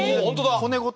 骨ごと？